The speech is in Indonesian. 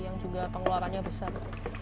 yang juga pengeluarannya besar